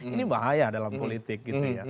ini bahaya dalam politik